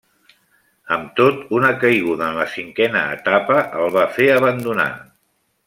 Amb tot, una caiguda en la cinquena etapa el va fer abandonar.